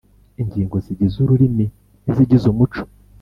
ingingo zigize ururimi n’izigize umuco